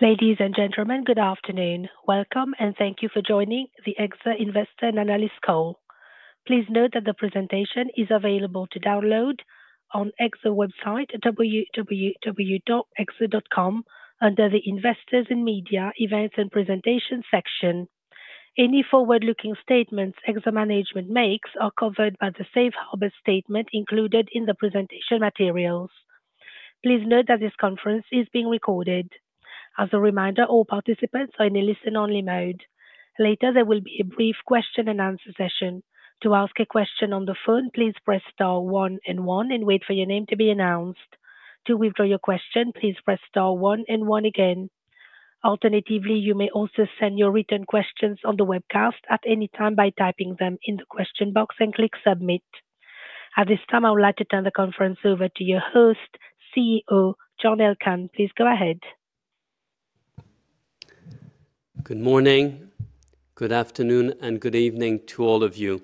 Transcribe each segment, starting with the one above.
Ladies and gentlemen, good afternoon. Welcome and thank you for joining the Exor Investor and Analyst Call. Please note that the presentation is available to download on Exor website at www.exor.com under the Investors and Media Events and Presentation section. Any forward-looking statements Exor management makes are covered by the safe harbor statement included in the presentation materials. Please note that this conference is being recorded. As a reminder, all participants are in a listen-only mode. Later, there will be a brief question and answer session. To ask a question on the phone, please press star one and one and wait for your name to be announced. To withdraw your question, please press star one and one again. Alternatively, you may also send your written questions on the webcast at any time by typing them in the question box and click submit. At this time, I would like to turn the conference over to your host, CEO John Elkann. Please go ahead. Good morning, good afternoon, and good evening to all of you.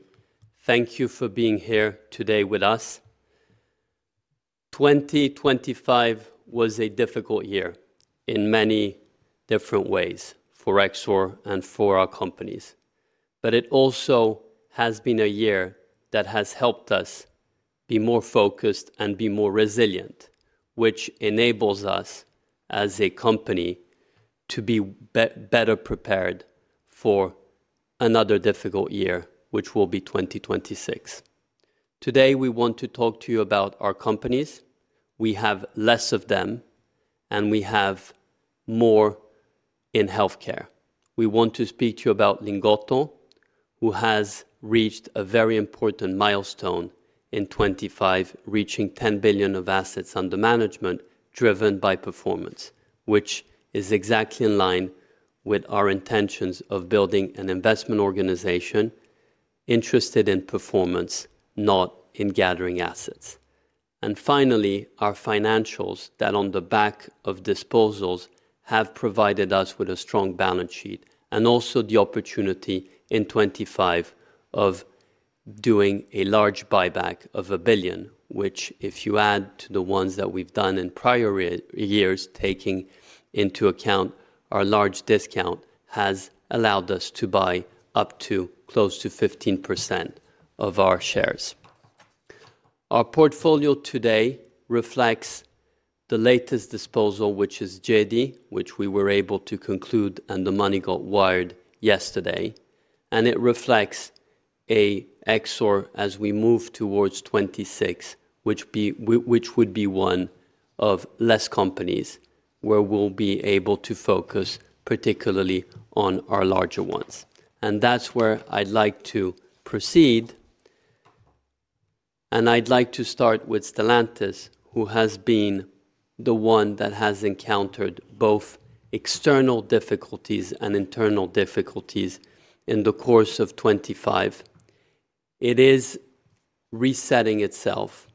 Thank you for being here today with us. 2025 was a difficult year in many different ways for Exor and for our companies. It also has been a year that has helped us be more focused and be more resilient, which enables us as a company to be better prepared for another difficult year, which will be 2026. Today, we want to talk to you about our companies. We have less of them, and we have more in healthcare. We want to speak to you about Lingotto, who has reached a very important milestone in 2025, reaching $10 billion of assets under management driven by performance, which is exactly in line with our intentions of building an investment organization interested in performance, not in gathering assets. Finally, our financials that on the back of disposals have provided us with a strong balance sheet and also the opportunity in 2025 of doing a large buyback of 1 billion, which if you add to the ones that we've done in prior years, taking into account our large discount, has allowed us to buy up to close to 15% of our shares. Our portfolio today reflects the latest disposal, which is JD, which we were able to conclude and the money got wired yesterday. It reflects Exor as we move towards 2026, which would be one of less companies, where we'll be able to focus particularly on our larger ones. That's where I'd like to proceed. I'd like to start with Stellantis, who has been the one that has encountered both external difficulties and internal difficulties in the course of 2025. It is resetting itself,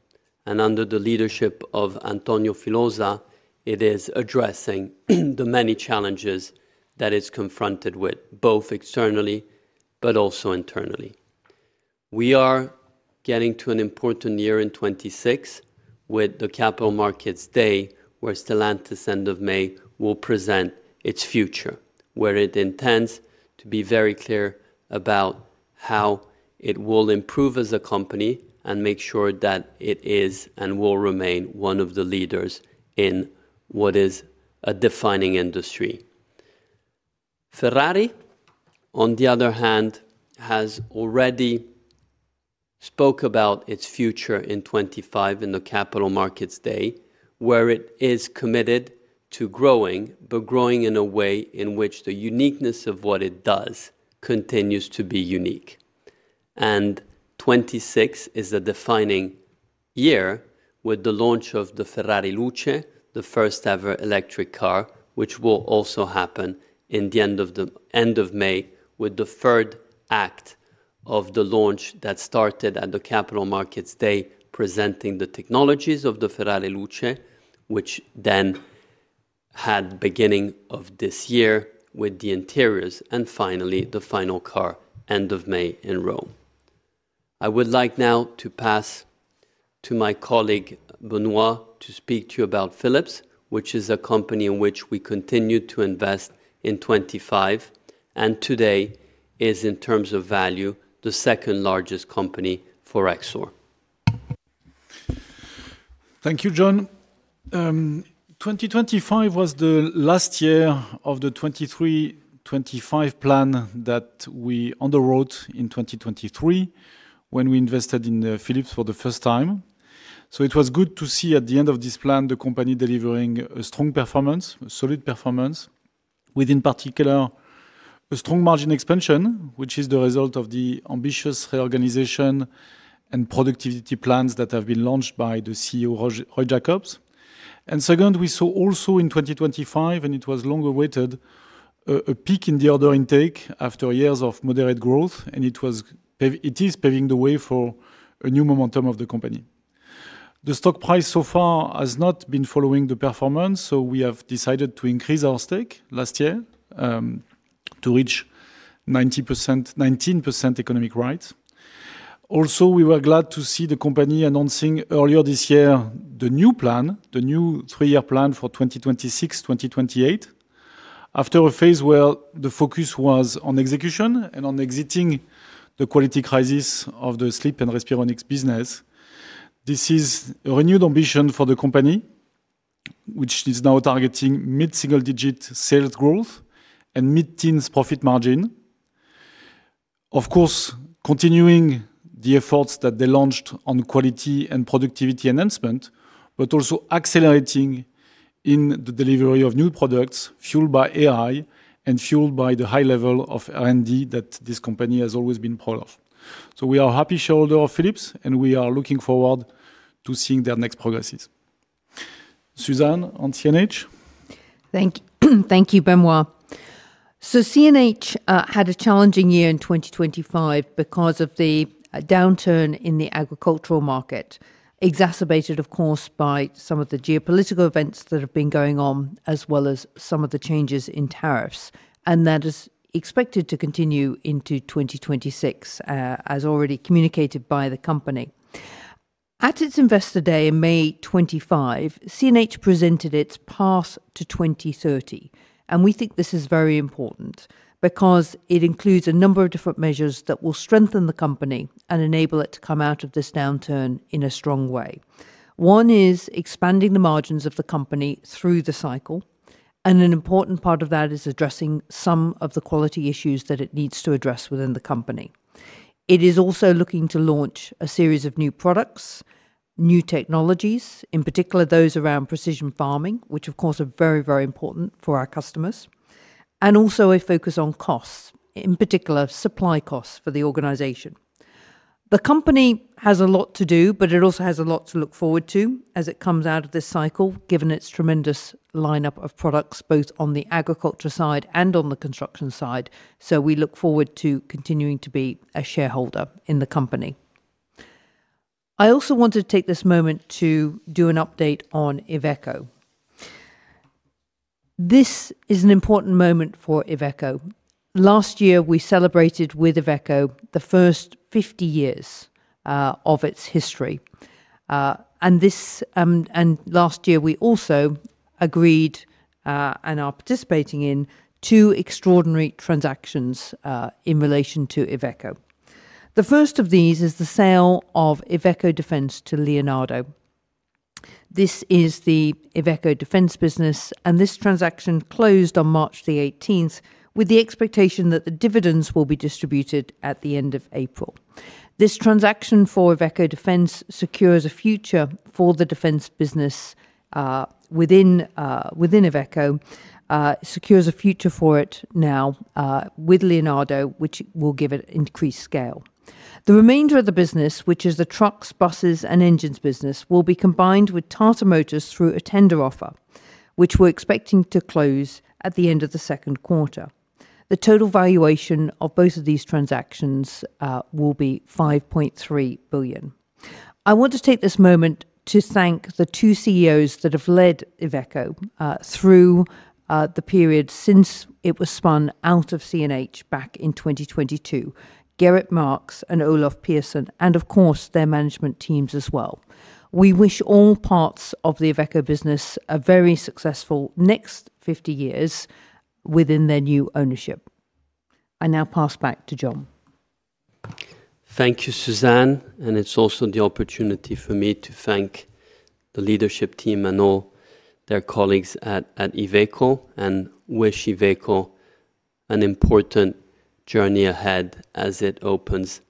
and under the leadership of Antonio Filosa, it is addressing the many challenges that it's confronted with, both externally but also internally. We are getting to an important year in 2026 with the Capital Markets Day, where Stellantis, end of May, will present its future, where it intends to be very clear about how it will improve as a company and make sure that it is and will remain one of the leaders in what is a defining industry. Ferrari, on the other hand, has already spoke about its future in 2025 in the Capital Markets Day, where it is committed to growing, but growing in a way in which the uniqueness of what it does continues to be unique. 2026 is a defining year with the launch of the Ferrari Luce, the first-ever electric car, which will also happen end of May with the third act of the launch that started at the Capital Markets Day, presenting the technologies of the Ferrari Luce, which then had beginning of this year with the interiors and finally the final car end of May in Rome. I would like now to pass to my colleague, Benoît, to speak to you about Philips, which is a company in which we continued to invest in 2025 and today is, in terms of value, the second largest company for Exor. Thank you, John. 2025 was the last year of the 2023-2025 plan that we underwrote in 2023 when we invested in Philips for the first time. It was good to see at the end of this plan the company delivering a strong performance, a solid performance with in particular a strong margin expansion, which is the result of the ambitious reorganization and productivity plans that have been launched by CEO Roy Jakobs. Second, we saw also in 2025, and it was long awaited, a peak in the order intake after years of moderate growth, and it is paving the way for a new momentum of the company. The stock price so far has not been following the performance, so we have decided to increase our stake last year. To reach 19% economic growth. We were glad to see the company announcing earlier this year the new plan, the new three-year plan for 2026, 2028. After a phase where the focus was on execution and on exiting the quality crisis of the sleep and Respironics business. This is a renewed ambition for the company, which is now targeting mid-single digit sales growth and mid-teens profit margin. Of course, continuing the efforts that they launched on quality and productivity enhancement, but also accelerating in the delivery of new products fueled by AI and fueled by the high level of R&D that this company has always been part of. We are a happy shareholder of Philips, and we are looking forward to seeing their next progresses. Suzanne on CNH. Thank you, Benoît. CNH had a challenging year in 2025 because of the downturn in the agricultural market, exacerbated of course, by some of the geopolitical events that have been going on, as well as some of the changes in tariffs. That is expected to continue into 2026, as already communicated by the company. At its Investor Day in May 2025, CNH presented its path to 2030, and we think this is very important because it includes a number of different measures that will strengthen the company and enable it to come out of this downturn in a strong way. One is expanding the margins of the company through the cycle, and an important part of that is addressing some of the quality issues that it needs to address within the company. It is also looking to launch a series of new products, new technologies, in particular those around precision farming, which of course are very, very important for our customers, and also a focus on costs, in particular supply costs for the organization. The company has a lot to do, but it also has a lot to look forward to as it comes out of this cycle, given its tremendous lineup of products, both on the agriculture side and on the construction side. We look forward to continuing to be a shareholder in the company. I also want to take this moment to do an update on Iveco. This is an important moment for Iveco. Last year, we celebrated with Iveco the first 50 years of its history. Last year we also agreed and are participating in two extraordinary transactions in relation to Iveco. The first of these is the sale of Iveco Defence to Leonardo. This is the Iveco Defence business, and this transaction closed on March 18th, with the expectation that the dividends will be distributed at the end of April. This transaction for Iveco Defence secures a future for the defense business within Iveco. Secures a future for it now with Leonardo, which will give it increased scale. The remainder of the business, which is the trucks, buses and engines business, will be combined with Tata Motors through a tender offer, which we're expecting to close at the end of the second quarter. The total valuation of both of these transactions will be 5.3 billion. I want to take this moment to thank the two CEOs that have led Iveco through the period since it was spun out of CNH back in 2022, Gerrit Marx and Olof Persson, and of course their management teams as well. We wish all parts of the Iveco business a very successful next 50 years within their new ownership. I now pass back to John. Thank you, Suzanne, and it's also the opportunity for me to thank the leadership team and all their colleagues at Iveco and wish Iveco an important journey ahead as it opens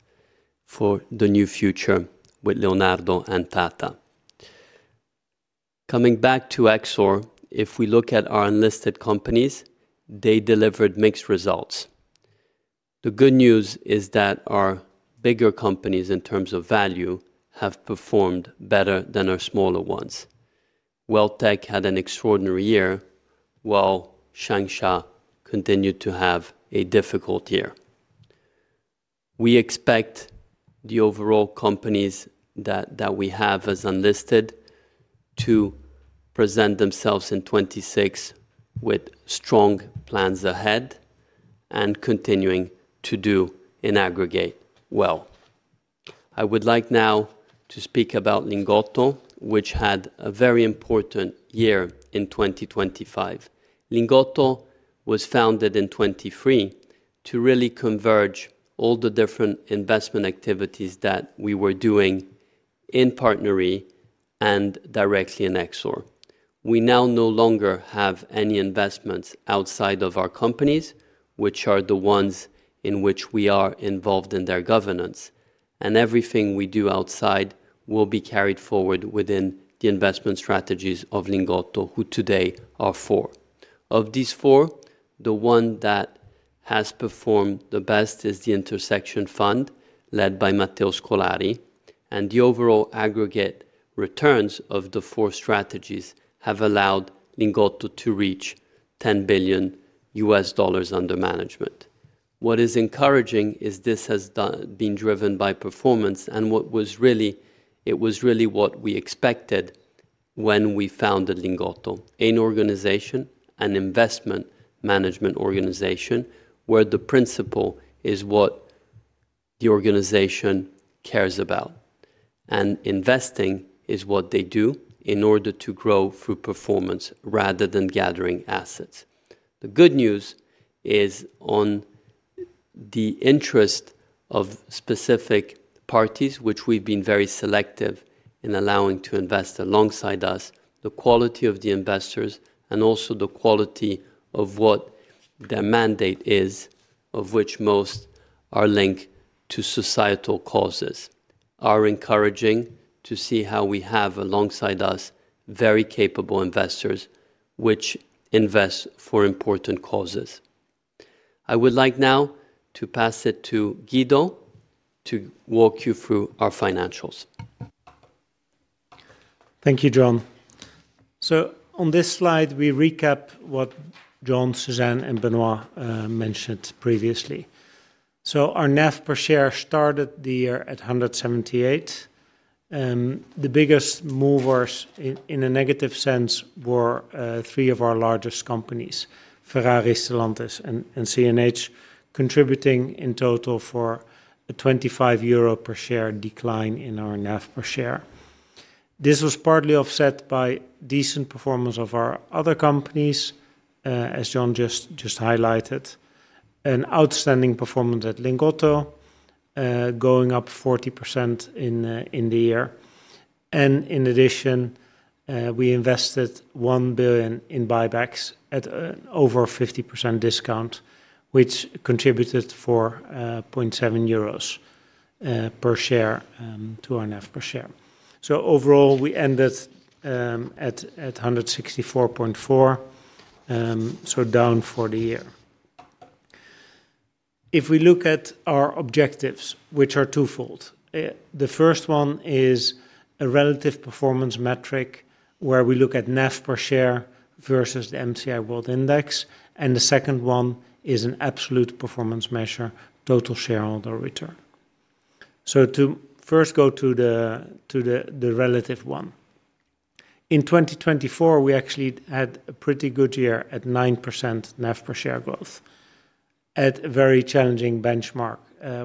for the new future with Leonardo and Tata. Coming back to Exor, if we look at our unlisted companies, they delivered mixed results. The good news is that our bigger companies in terms of value have performed better than our smaller ones. Welltec had an extraordinary year, while Shang Xia continued to have a difficult year. We expect the overall companies that we have as unlisted to present themselves in 2026 with strong plans ahead and continuing to do in aggregate well. I would like now to speak about Lingotto, which had a very important year in 2025. Lingotto was founded in 2023 to really converge all the different investment activities that we were doing in PartnerRe and directly in Exor. We now no longer have any investments outside of our companies, which are the ones in which we are involved in their governance, and everything we do outside will be carried forward within the investment strategies of Lingotto, who today are four. Of these four, the one that has performed the best is the Intersection Fund, led by Matteo Scolari, and the overall aggregate returns of the four strategies have allowed Lingotto to reach $10 billion under management. What is encouraging is this has been driven by performance and it was really what we expected when we founded Lingotto. An organization, an investment management organization, where the principle is what the organization cares about. Investing is what they do in order to grow through performance rather than gathering assets. The good news is on the interest of specific parties, which we've been very selective in allowing to invest alongside us, the quality of the investors and also the quality of what their mandate is, of which most are linked to societal causes, are encouraging to see how we have alongside us very capable investors which invest for important causes. I would like now to pass it to Guido to walk you through our financials. Thank you, John. On this slide, we recap what John, Suzanne, and Benoît mentioned previously. Our NAV per share started the year at 178, the biggest movers in a negative sense were three of our largest companies, Ferrari, Stellantis, and CNH, contributing in total for a 25 euro per share decline in our NAV per share. This was partly offset by decent performance of our other companies, as John just highlighted. An outstanding performance at Lingotto, going up 40% in the year. In addition, we invested 1 billion in buybacks at over 50% discount, which contributed for 0.7 euros per share to our NAV per share. Overall, we ended at 164.4, so down for the year. If we look at our objectives, which are twofold, the first one is a relative performance metric where we look at NAV per share versus the MSCI World Index, and the second one is an absolute performance measure, total shareholder return. To first go to the relative one. In 2024, we actually had a pretty good year at 9% NAV per share growth at a very challenging benchmark,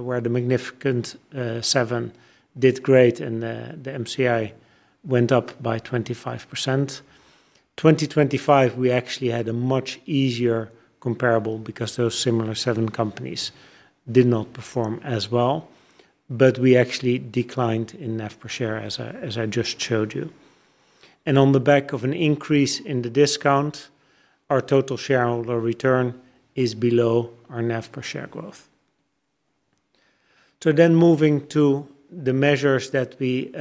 where the Magnificent Seven did great and the MSCI went up by 25%. In 2025, we actually had a much easier comparable because those similar seven companies did not perform as well. We actually declined in NAV per share as I just showed you. On the back of an increase in the discount, our total shareholder return is below our NAV per share growth. Moving to the measures that we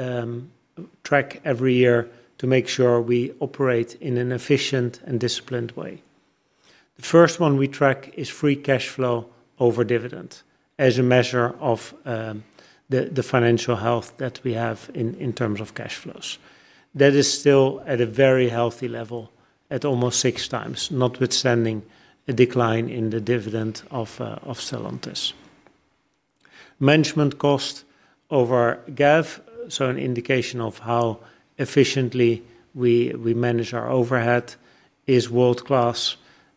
track every year to make sure we operate in an efficient and disciplined way. The first one we track is free cash flow over dividend as a measure of the financial health that we have in terms of cash flows. That is still at a very healthy level at almost 6x, notwithstanding a decline in the dividend of Stellantis. Management cost over GAV, so an indication of how efficiently we manage our overhead is world-class.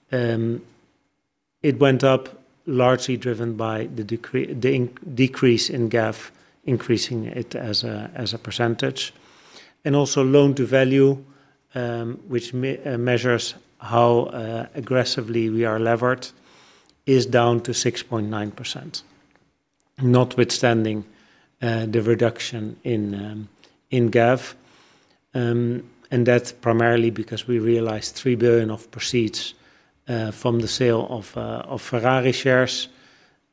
It went up largely driven by the decrease in GAV, increasing it as a percentage. Loan to value, which measures how aggressively we are levered, is down to 6.9%. Notwithstanding the reduction in GAV, and that's primarily because we realized 3 billion of proceeds from the sale of Ferrari shares.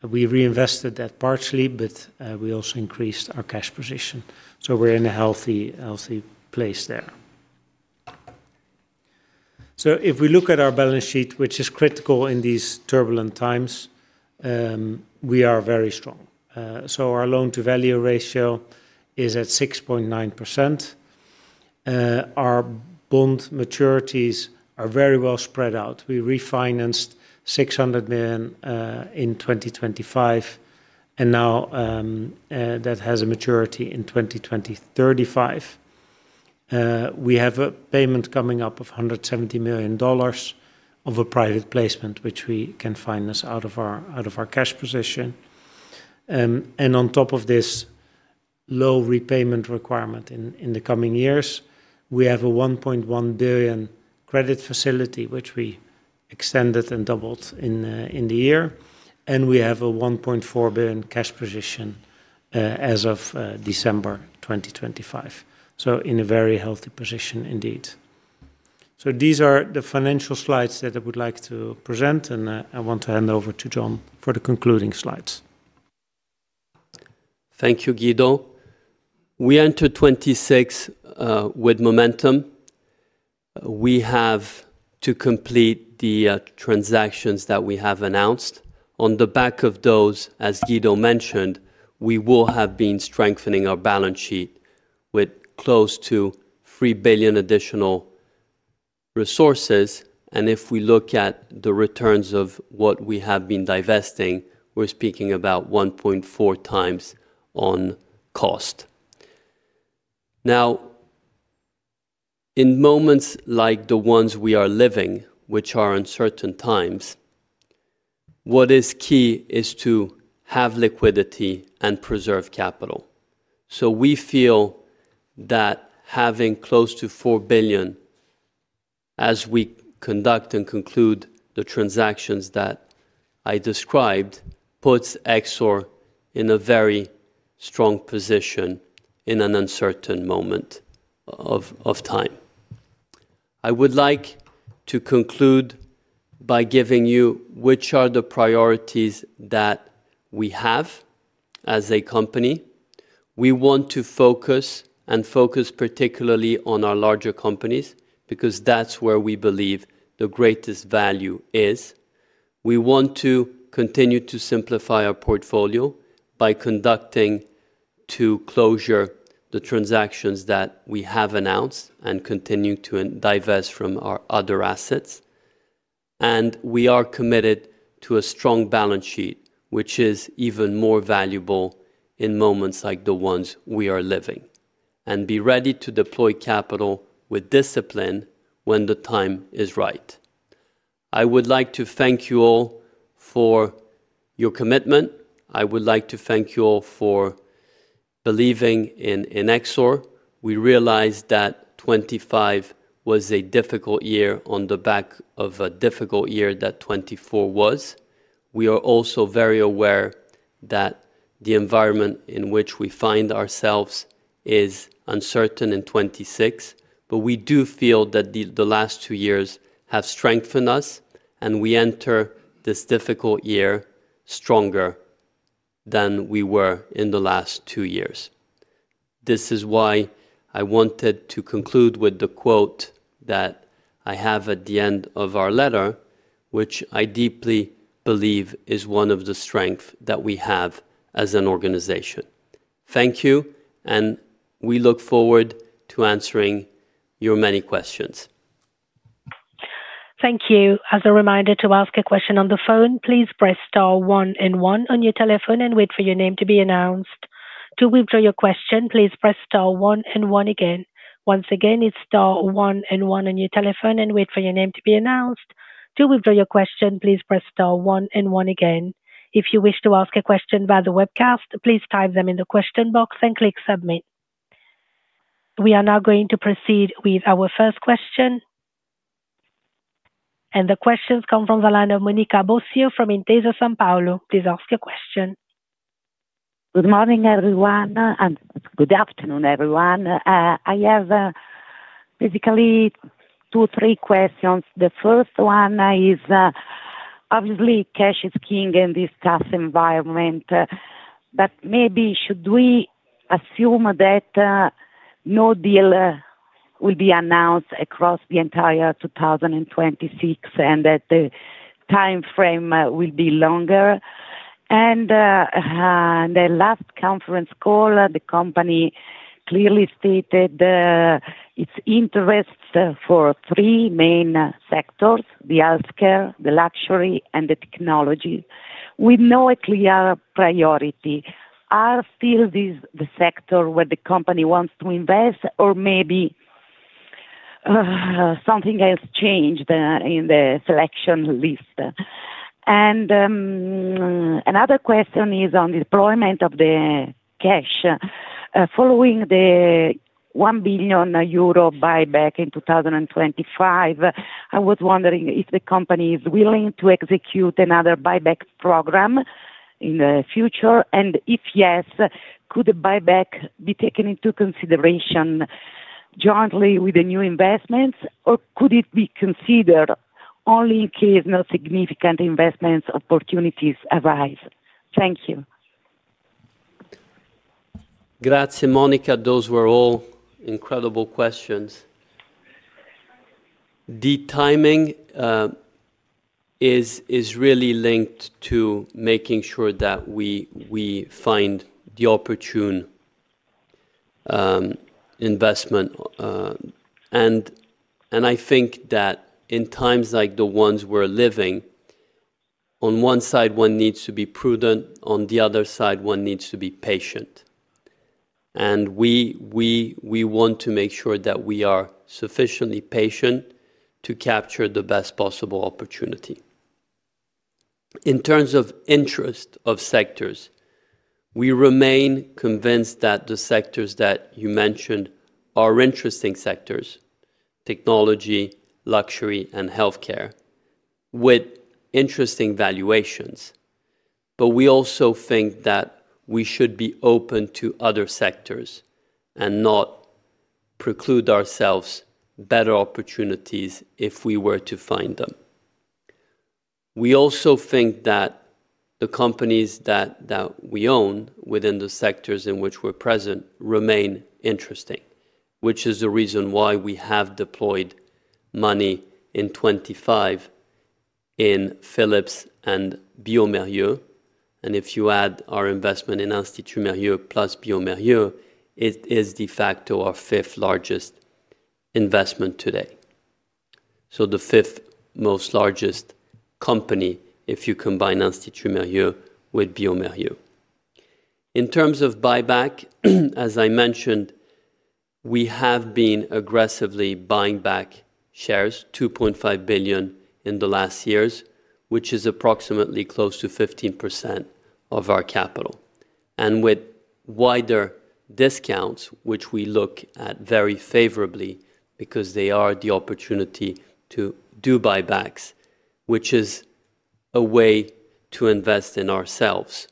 We reinvested that partially, but we also increased our cash position. We're in a healthy place there. If we look at our balance sheet, which is critical in these turbulent times, we are very strong. Our loan to value ratio is at 6.9%. Our bond maturities are very well spread out. We refinanced 600 million in 2025, and now that has a maturity in 2035. We have a payment coming up of $170 million of a private placement which we can finance out of our cash position. On top of this low repayment requirement in the coming years, we have a 1.1 billion credit facility which we extended and doubled in the year. We have a 1.4 billion cash position as of December 2025. In a very healthy position indeed. These are the financial slides that I would like to present, and I want to hand over to John for the concluding slides. Thank you, Guido. We enter 2026 with momentum. We have to complete the transactions that we have announced. On the back of those, as Guido mentioned, we will have been strengthening our balance sheet with close to 3 billion additional resources, and if we look at the returns of what we have been divesting, we're speaking about 1.4x on cost. Now, in moments like the ones we are living, which are uncertain times, what is key is to have liquidity and preserve capital. We feel that having close to 4 billion as we conduct and conclude the transactions that I described, puts Exor in a very strong position in an uncertain moment of time. I would like to conclude by giving you which are the priorities that we have as a company. We want to focus particularly on our larger companies because that's where we believe the greatest value is. We want to continue to simplify our portfolio by conducting to closure the transactions that we have announced and continue to divest from our other assets. We are committed to a strong balance sheet, which is even more valuable in moments like the ones we are living, and be ready to deploy capital with discipline when the time is right. I would like to thank you all for your commitment. I would like to thank you all for believing in Exor. We realize that 2025 was a difficult year on the back of a difficult year that 2024 was. We are also very aware that the environment in which we find ourselves is uncertain in 2026. We do feel that the last two years have strengthened us, and we enter this difficult year stronger than we were in the last two years. This is why I wanted to conclude with the quote that I have at the end of our letter, which I deeply believe is one of the strength that we have as an organization. Thank you, and we look forward to answering your many questions. Thank you. We are now going to proceed with our first question. The questions come from the line of Monica Bosio from Intesa Sanpaolo. Please ask your question. Good morning, everyone. Good afternoon, everyone. I have basically two, three questions. The first one is obviously, cash is king in this tough environment. But maybe should we assume that no deal will be announced across the entire 2026 and that the timeframe will be longer? The last conference call, the company clearly stated its interest for three main sectors, the healthcare, the luxury, and the technology. With no clear priority, are still these the sector where the company wants to invest or maybe something has changed in the selection list? Another question is on deployment of the cash. Following the 1 billion euro buyback in 2025, I was wondering if the company is willing to execute another buyback program in the future. If yes, could the buyback be taken into consideration jointly with the new investments or could it be considered only in case no significant investment opportunities arise? Thank you. Grazie, Monica. Those were all incredible questions. The timing is really linked to making sure that we find the opportune investment. I think that in times like the ones we're living, on one side, one needs to be prudent, on the other side, one needs to be patient. We want to make sure that we are sufficiently patient to capture the best possible opportunity. In terms of interest in sectors, we remain convinced that the sectors that you mentioned are interesting sectors, technology, luxury, and healthcare, with interesting valuations. We also think that we should be open to other sectors and not preclude ourselves better opportunities if we were to find them. We also think that the companies that we own within the sectors in which we're present remain interesting, which is the reason why we have deployed money in 2025 in Philips and bioMérieux. If you add our investment in Institut Mérieux plus bioMérieux, it is de facto our fifth largest investment today, the fifth most largest company, if you combine Institut Mérieux with bioMérieux. In terms of buyback, as I mentioned, we have been aggressively buying back shares, 2.5 billion in the last years, which is approximately close to 15% of our capital. With wider discounts, which we look at very favorably because they are the opportunity to do buybacks, which is a way to invest in ourselves,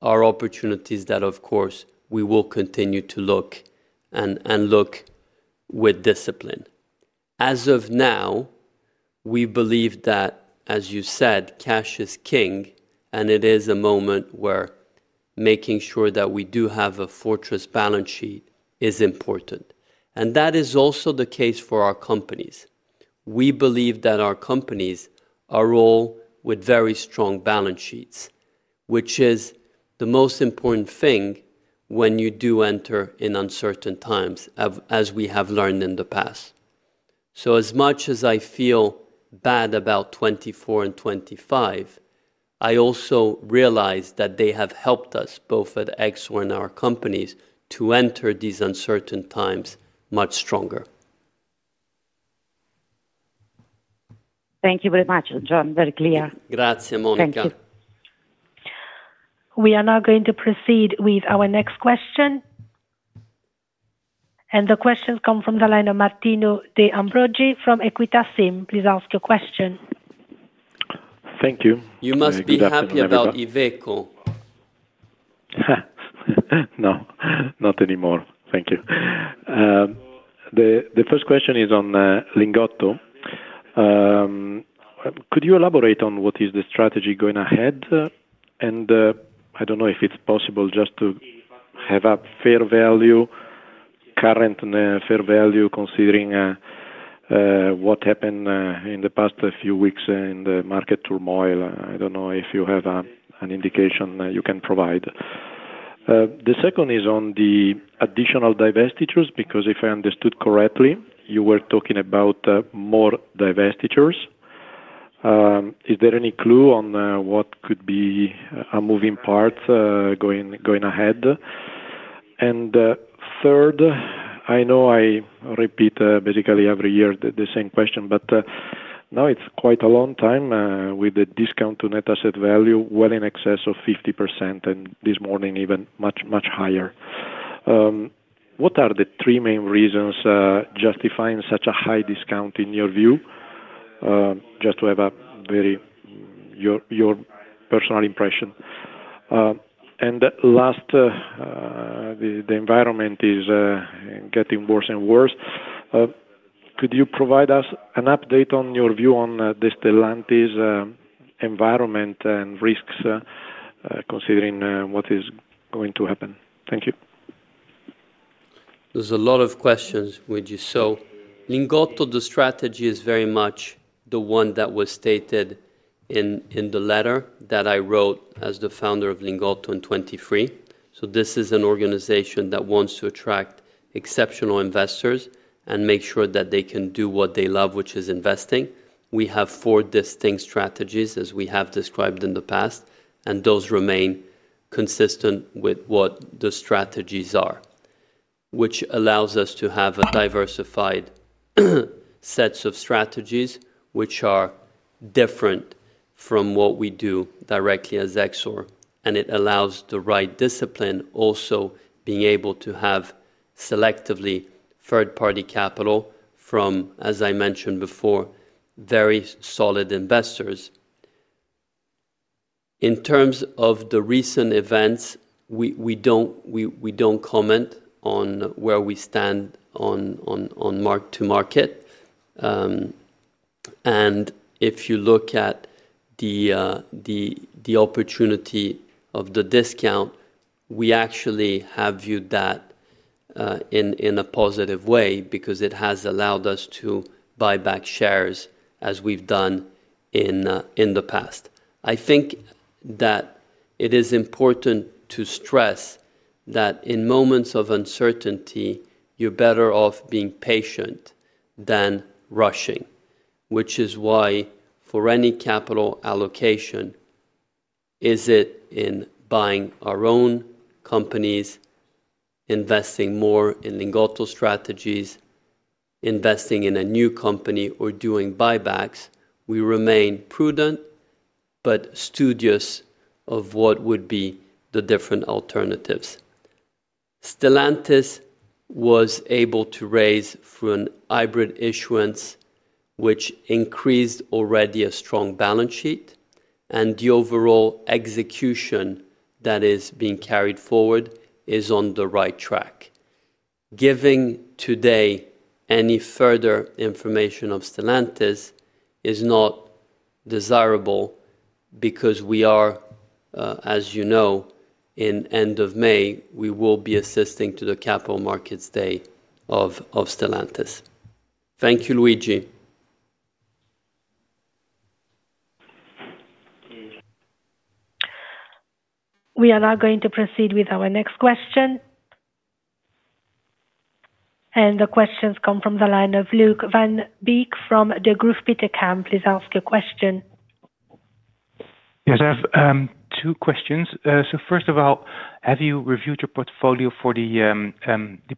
are opportunities that, of course, we will continue to look and look with discipline. As of now, we believe that, as you said, cash is king, and it is a moment where making sure that we do have a fortress balance sheet is important. That is also the case for our companies. We believe that our companies are all with very strong balance sheets, which is the most important thing when you do enter in uncertain times of, as we have learned in the past. As much as I feel bad about 2024 and 2025, I also realize that they have helped us both at Exor in our companies to enter these uncertain times much stronger. Thank you very much, John. Very clear. Grazie, Monica. Thank you. We are now going to proceed with our next question. The question comes from the line Martino De Ambroggi from Equita SIM. Please ask your question. Thank you. You must be happy about Iveco. No, not anymore. Thank you. The first question is on Lingotto. Could you elaborate on what is the strategy going ahead? I don't know if it's possible just to have a fair value, current and fair value considering what happened in the past few weeks in the market turmoil. I don't know if you have an indication you can provide. The second is on the additional divestitures, because if I understood correctly, you were talking about more divestitures. Is there any clue on what could be a moving part going ahead? Third, I know I repeat basically every year the same question, but now it's quite a long time with the discount to net asset value well in excess of 50%, and this morning even much higher. What are the three main reasons justifying such a high discount in your view? Your personal impression. Last, the environment is getting worse and worse. Could you provide us an update on your view on the Stellantis environment and risks considering what is going to happen? Thank you. There's a lot of questions with you. Lingotto, the strategy is very much the one that was stated in the letter that I wrote as the founder of Lingotto in 2023. This is an organization that wants to attract exceptional investors and make sure that they can do what they love, which is investing. We have four distinct strategies, as we have described in the past, and those remain consistent with what the strategies are. Which allows us to have a diversified sets of strategies which are different from what we do directly as Exor, and it allows the right discipline also being able to have selectively third-party capital from, as I mentioned before, very solid investors. In terms of the recent events, we don't comment on where we stand on mark to market. If you look at the opportunity of the discount, we actually have viewed that in a positive way because it has allowed us to buy back shares as we've done in the past. I think that it is important to stress that in moments of uncertainty, you're better off being patient than rushing. Which is why for any capital allocation, is it in buying our own companies, investing more in Lingotto strategies, investing in a new company or doing buybacks, we remain prudent but studious of what would be the different alternatives. Stellantis was able to raise through a hybrid issuance which increased already a strong balance sheet, and the overall execution that is being carried forward is on the right track. Giving today any further information on Stellantis is not desirable because we are, as you know, at the end of May, we will be attending the Capital Markets Day of Stellantis. Thank you, Ambroggi. We are now going to proceed with our next question. The questions come from the line of Luuk van Beek from Degroof Petercam. Please ask your question. Yes. I have two questions. First of all, have you reviewed your portfolio for the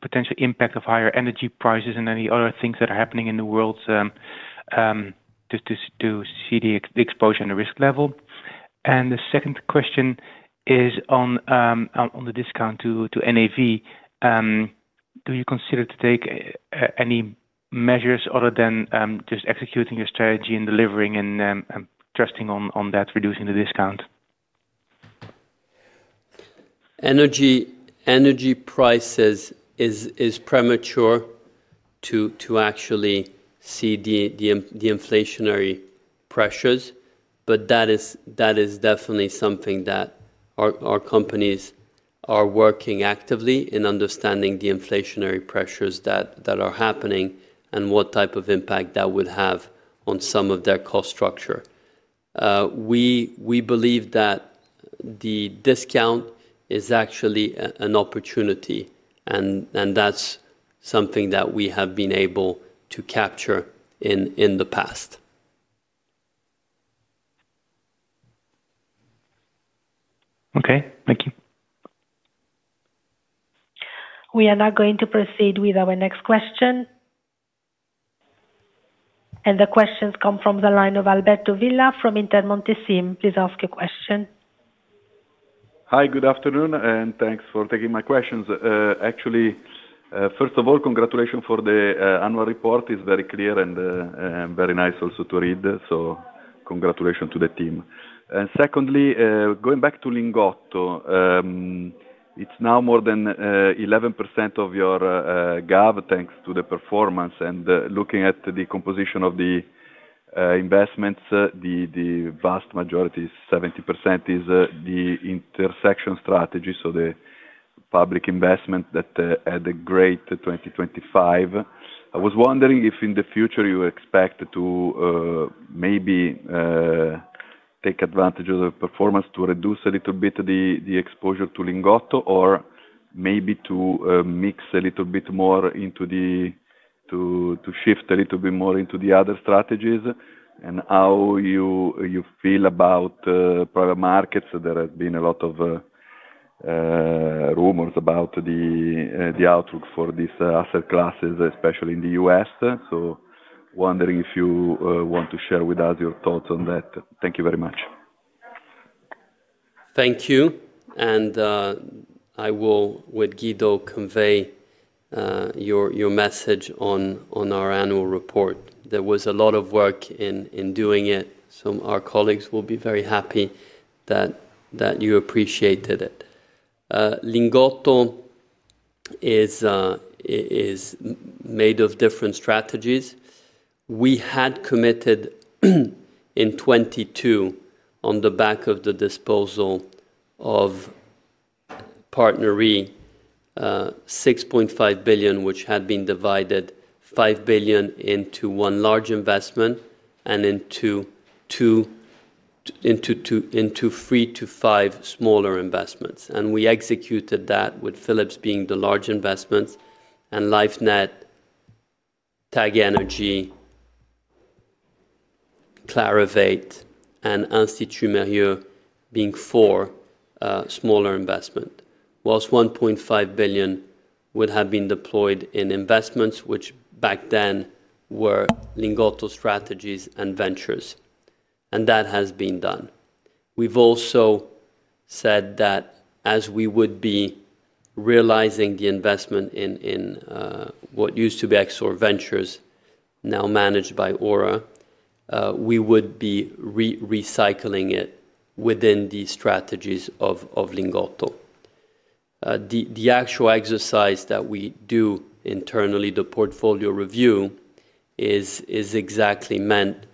potential impact of higher energy prices and any other things that are happening in the world, to see the exposure and the risk level? The second question is on the discount to NAV. Do you consider to take any measures other than just executing your strategy and delivering and trusting on that reducing the discount? It's premature to actually see the impact of energy prices on the inflationary pressures. That is definitely something that our companies are working actively on understanding the inflationary pressures that are happening and what type of impact that will have on some of their cost structure. We believe that the discount is actually an opportunity, and that's something that we have been able to capture in the past. Okay. Thank you. We are now going to proceed with our next question. The questions come from the line of Alberto Villa from Intermonte SIM. Please ask your question. Hi. Good afternoon, and thanks for taking my questions. Actually, first of all, congratulations for the annual report. It's very clear and very nice also to read. Congratulations to the team. Secondly, going back to Lingotto, it's now more than 11% of your GAV, thanks to the performance. Looking at the composition of the investments, the vast majority, 70% is the Intersection Strategy. The public investment that had a great 2025. I was wondering if in the future you expect to maybe take advantage of the performance to reduce a little bit the exposure to Lingotto or maybe to shift a little bit more into the other strategies. How do you feel about private markets. There have been a lot of rumors about the outlook for these asset classes, especially in the U.S. Wondering if you want to share with us your thoughts on that. Thank you very much. Thank you. I will, with Guido, convey your message on our annual report. There was a lot of work in doing it, so our colleagues will be very happy that you appreciated it. Lingotto is made of different strategies. We committed in 2022 on the back of the disposal of PartnerRe, 6.5 billion, which had been divided 5 billion into one large investment and into three to five smaller investments. We executed that with Philips being the large investment and Lifenet, TagEnergy, Clarivate, and Institut Mérieux being four smaller investments. While 1.5 billion would have been deployed in investments which back then were Lingotto strategies and ventures. That has been done. We've also said that as we would be realizing the investment in what used to be Exor Ventures, now managed by Ora, we would be recycling it within the strategies of Lingotto. The actual exercise that we do internally, the portfolio review, is exactly meant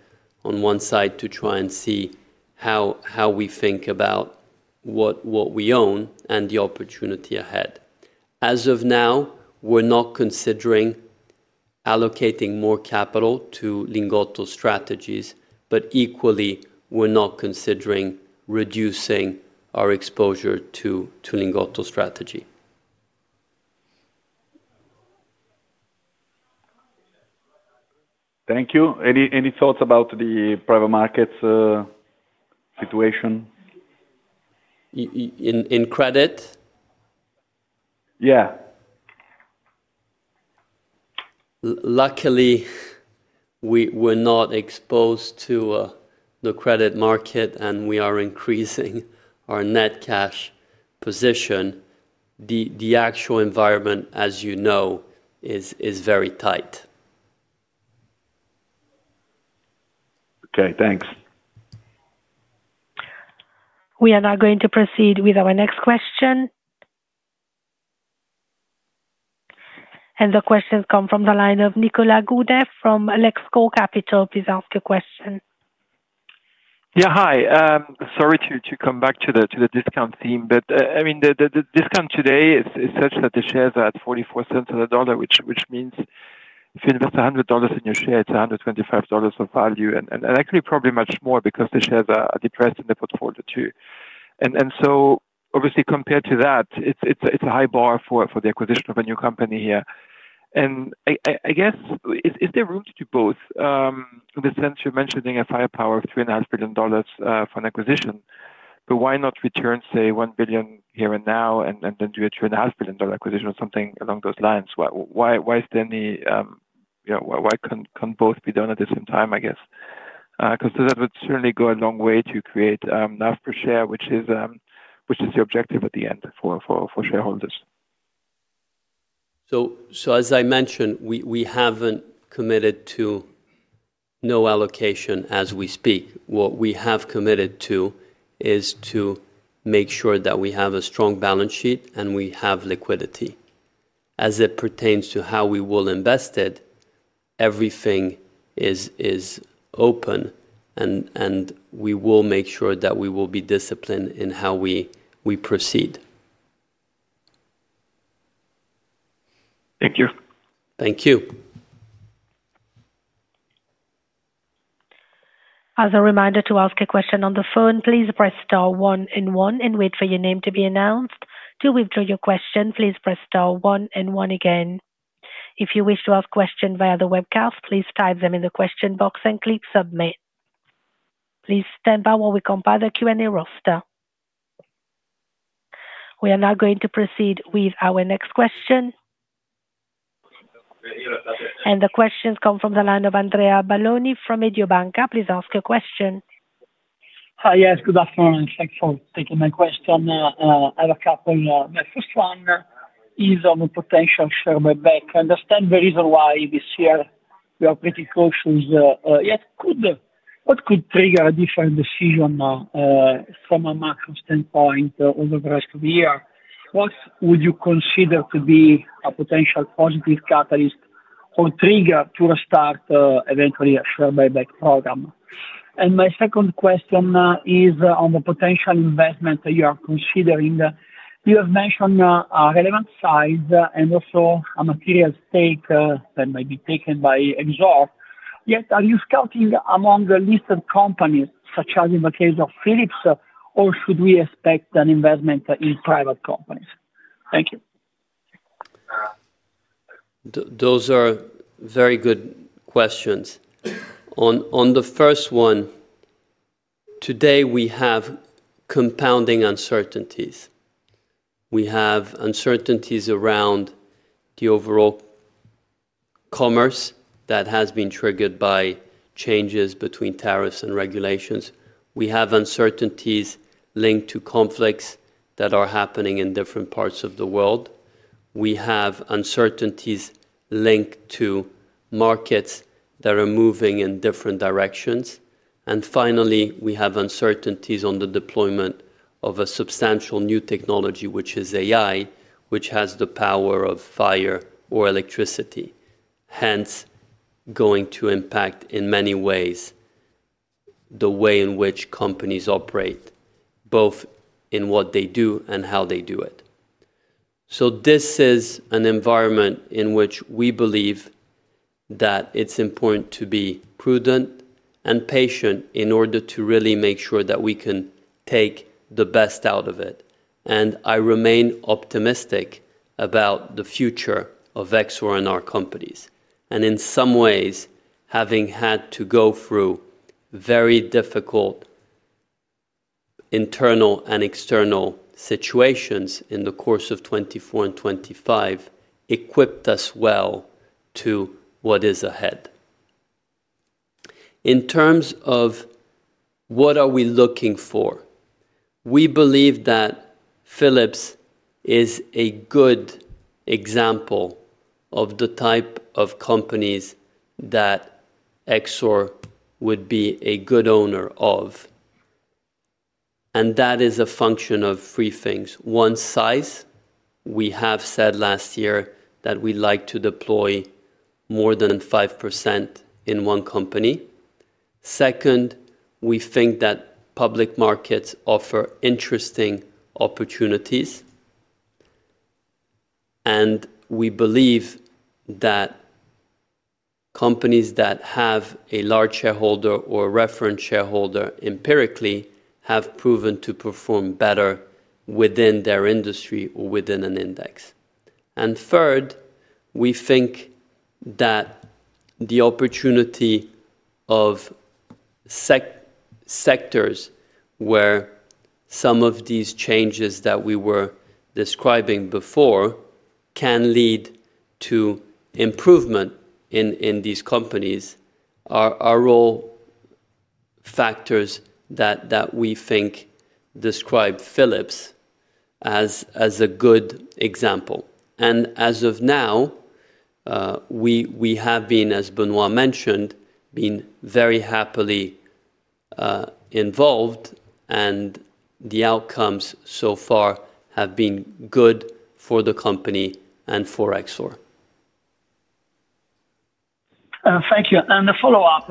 on one side to try and see how we think about what we own and the opportunity ahead. As of now, we're not considering allocating more capital to Lingotto strategies, but equally we're not considering reducing our exposure to Lingotto strategy. Thank you. Any thoughts about the private markets situation? In credit? Yeah. Luckily, we were not exposed to the credit market, and we are increasing our net cash position. The actual environment, as you know, is very tight. Okay, thanks. We are now going to proceed with our next question. The question comes from the line of Nicolas Gaudet from Alex.Co Capital. Please ask your question. Yeah, hi. Sorry to come back to the discount theme. I mean, the discount today is such that the shares are at $0.44 on the dollar, which means if you invest $100 in your share, it's $125 of value and actually probably much more because the shares are depressed in the portfolio too. Obviously compared to that, it's a high bar for the acquisition of a new company here. I guess, is there room to do both? In the sense you're mentioning a firepower of $3.5 billion for an acquisition, but why not return, say, $1 billion here and now and then do a $2.5 billion acquisition or something along those lines? Why is there any, you know, why can't both be done at the same time, I guess? 'Cause that would certainly go a long way to create NAV per share, which is the objective at the end for shareholders. As I mentioned, we haven't committed to no allocation as we speak. What we have committed to is to make sure that we have a strong balance sheet and we have liquidity. As it pertains to how we will invest it, everything is open and we will make sure that we will be disciplined in how we proceed. Thank you. Thank you. As a reminder to ask a question on the phone, please press star one and one and wait for your name to be announced. To withdraw your question, please press star one and one again. If you wish to ask questions via the webcast, please type them in the question box and click submit. Please stand by while we compile the Q&A roster. We are now going to proceed with our next question. The question comes from the line of Andrea Balloni from Mediobanca. Please ask your question. Hi, yes, good afternoon, and thanks for taking my question. I have a couple. My first one is on the potential share buyback. I understand the reason why this year we are pretty cautious. What could trigger a different decision from a macro standpoint over the rest of the year? What would you consider to be a potential positive catalyst or trigger to restart eventually a share buyback program? My second question is on the potential investment that you are considering. You have mentioned a relevant size and also a material stake that may be taken by Exor. Yet, are you scouting among the listed companies, such as in the case of Philips, or should we expect an investment in private companies? Thank you. Those are very good questions. On the first one, today we have compounding uncertainties. We have uncertainties around the overall commerce that has been triggered by changes between tariffs and regulations. We have uncertainties linked to conflicts that are happening in different parts of the world. We have uncertainties linked to markets that are moving in different directions. And finally, we have uncertainties on the deployment of a substantial new technology, which is AI, which has the power of fire or electricity, hence going to impact in many ways the way in which companies operate, both in what they do and how they do it. This is an environment in which we believe that it's important to be prudent and patient in order to really make sure that we can take the best out of it. I remain optimistic about the future of Exor and our companies. In some ways, having had to go through very difficult internal and external situations in the course of 2024 and 2025 equipped us well to what is ahead. In terms of what are we looking for, we believe that Philips is a good example of the type of companies that Exor would be a good owner of. That is a function of three things. One, size. We have said last year that we'd like to deploy more than 5% in one company. Second, we think that public markets offer interesting opportunities. We believe that companies that have a large shareholder or a reference shareholder empirically have proven to perform better within their industry or within an index. Third, we think that the opportunity of sectors where some of these changes that we were describing before can lead to improvement in these companies are all factors that we think describe Philips as a good example. As of now, we have been, as Benoît mentioned, very happily involved and the outcomes so far have been good for the company and for Exor. Thank you. A follow-up,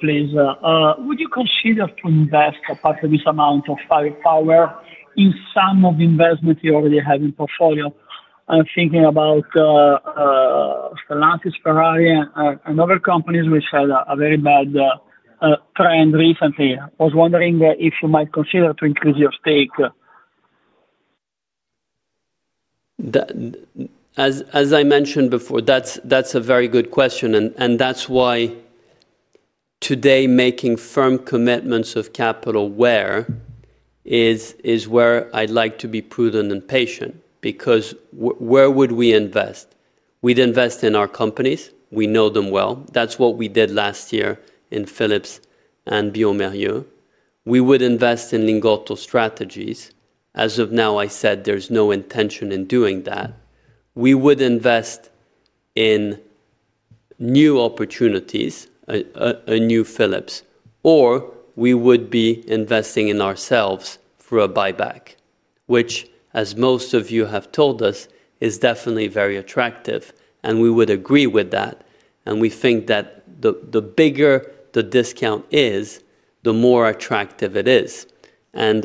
please. Would you consider to invest a part of this amount of firepower in some of the investment you already have in portfolio? I'm thinking about Stellantis, Ferrari, and other companies which had a very bad trend recently. I was wondering if you might consider to increase your stake. As I mentioned before, that's a very good question. That's why today, making firm commitments of capital, is where I'd like to be prudent and patient because where would we invest? We'd invest in our companies. We know them well. That's what we did last year in Philips and bioMérieux. We would invest in Lingotto strategies. As of now, I said there's no intention of doing that. We would invest in new opportunities, a new Philips, or we would be investing in ourselves through a buyback, which as most of you have told us, is definitely very attractive, and we would agree with that. We think that the bigger the discount is, the more attractive it is.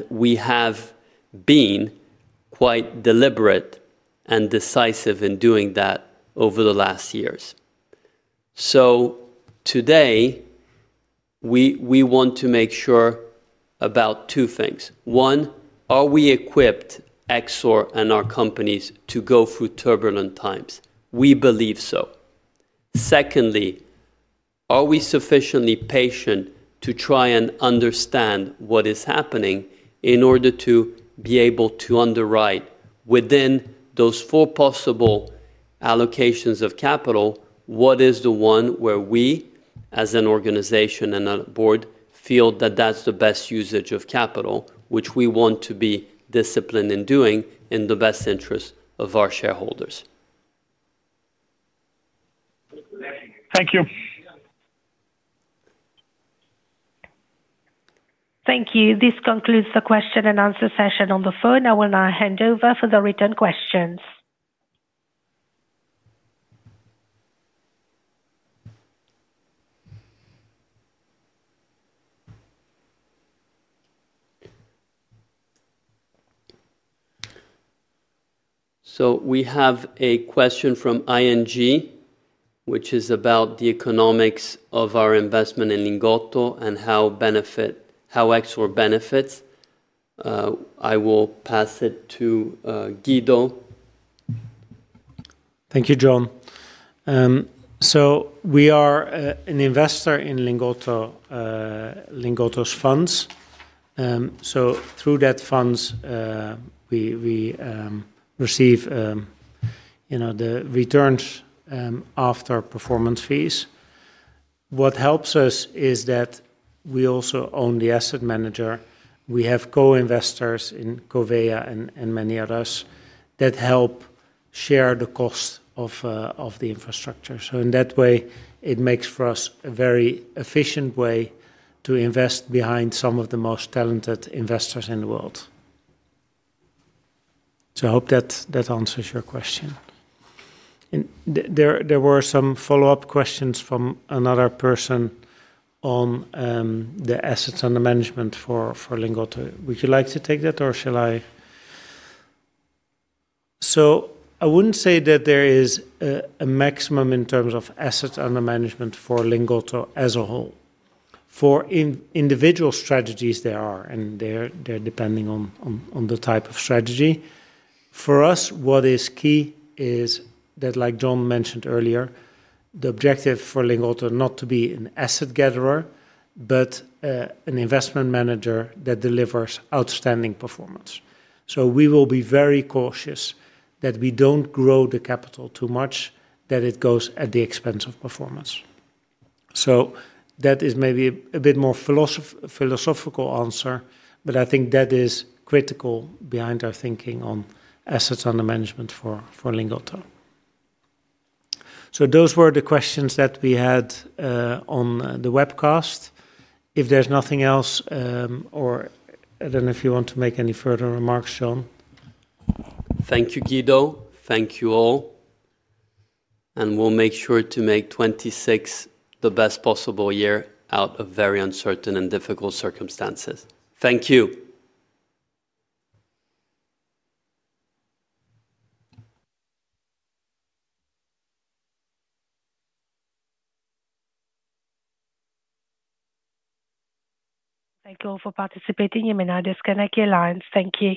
We have been quite deliberate and decisive in doing that over the last years. Today, we want to make sure about two things. One, are we equipping Exor and our companies to go through turbulent times? We believe so. Secondly, are we sufficiently patient to try and understand what is happening in order to be able to underwrite within those four possible allocations of capital what is the one where we as an organization and a board feel that that's the best usage of capital, which we want to be disciplined in doing in the best interest of our shareholders. Thank you. Thank you. This concludes the question and answer session on the phone. I will now hand over for the written questions. We have a question from ING, which is about the economics of our investment in Lingotto and how Exor benefits. I will pass it to Guido. Thank you, John. We are an investor in Lingotto's funds. Through that funds, we receive, you know, the returns after performance fees. What helps us is that we also own the asset manager. We have co-investors in Covéa and many others that help share the cost of the infrastructure. In that way, it makes for us a very efficient way to invest behind some of the most talented investors in the world. I hope that answers your question. There were some follow-up questions from another person on the assets under management for Lingotto. Would you like to take that or shall I? I wouldn't say that there is a maximum in terms of assets under management for Lingotto as a whole. For individual strategies there are, and they're depending on the type of strategy. For us, what is key is that like John mentioned earlier, the objective for Lingotto not to be an asset gatherer, but an investment manager that delivers outstanding performance. We will be very cautious that we don't grow the capital too much that it goes at the expense of performance. That is maybe a bit more philosophical answer, but I think that is critical behind our thinking on assets under management for Lingotto. Those were the questions that we had on the webcast. If there's nothing else, or I don't know if you want to make any further remarks, John. Thank you, Guido. Thank you all. We'll make sure to make 2026 the best possible year out of very uncertain and difficult circumstances. Thank you. Thank you all for participating in our disconnect line. Thank you.